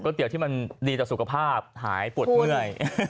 เตี๋ยวที่มันดีต่อสุขภาพหายปวดเมื่อย